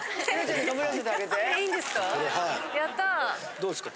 どうですか？